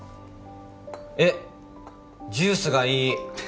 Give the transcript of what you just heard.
えっジュースがいい